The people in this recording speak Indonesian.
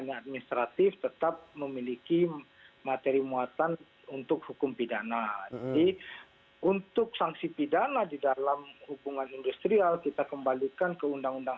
jadi untuk sanksi pidana di dalam hubungan industrial kita kembalikan ke undang undang